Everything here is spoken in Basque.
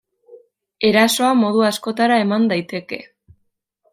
Erasoa modu askotara eman daiteke.